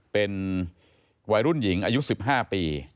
เป็นวัยรุ่นหญิงอายุ๑๕ปี